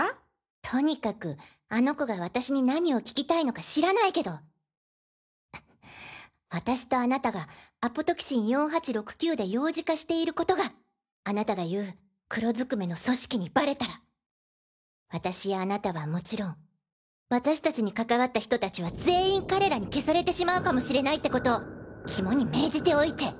とにかくあの子が私に何を聞きたいのか知らないけど私とあなたがアポトキシン４８６９で幼児化している事があなたが言う「黒ずくめの組織」にバレたら私やあなたはもちろん私たちに関わった人たちは全員彼らに消されてしまうかもしれないって事を肝に銘じておいて！